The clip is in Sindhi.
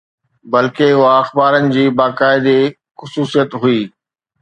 بلڪه اها اخبارن جي باقاعدي خصوصيت هئي.